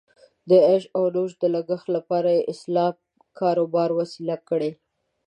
د عیش او نوش د لګښتونو لپاره یې اسلام کاروبار وسیله کړې.